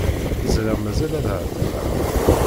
Ẓriɣ mazal ad ɛettbeɣ.